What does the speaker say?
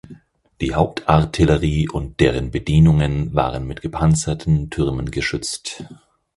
Die Hauptartillerie und deren Bedienungen waren mit gepanzerten Türmen geschützt.